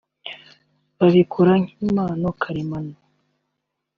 babikora nk’impano karemano